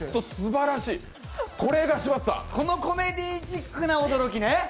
このコメディーチックな驚きね。